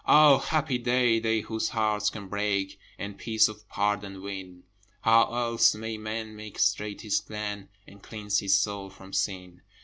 Ah! happy day they whose hearts can break And peace of pardon win! How else may man make straight his plan And cleanse his soul from Sin?